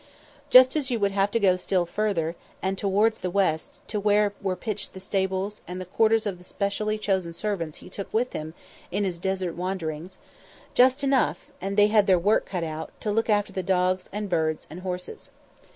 Just as you would have to go still farther and towards the west, to where were pitched the stables, and the quarters of the specially chosen servants he took with him in his desert wanderings; just enough and they had their work cut out to look after the dogs and birds and horses.